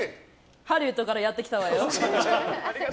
ハリウッドからやってきたわよ。